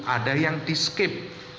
ada yang diskip